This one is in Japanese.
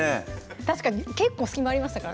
確かに結構隙間ありましたからね